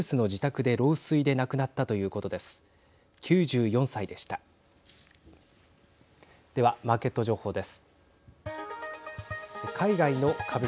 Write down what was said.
では、マーケット情報です。